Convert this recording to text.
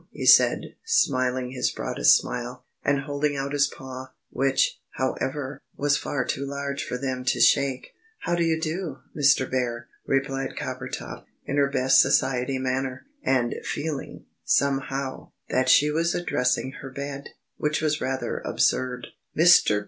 he said, smiling his broadest smile, and holding out his paw, which, however, was far too large for them to shake. "How do you do, Mr. Bear?" replied Coppertop, in her best society manner, and feeling, somehow, that she was addressing her bed, which was rather absurd. "Mr.